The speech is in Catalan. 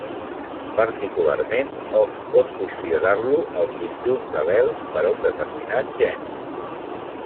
Particularment, hom pot considerar-lo el conjunt d'al·lels per a un determinat gen.